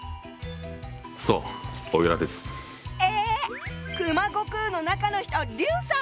えっ⁉熊悟空の中の人あっ劉さん！